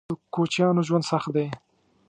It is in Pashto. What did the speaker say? _د کوچيانو ژوند سخت دی.